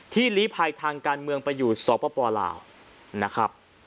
ลีภัยทางการเมืองไปอยู่สปลาวนะครับ